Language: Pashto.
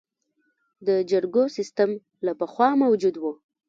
د جرګو سیسټم له پخوا موجود و